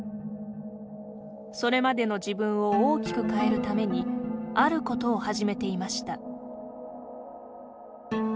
それまでの自分を大きく変えるためにあることを始めていました。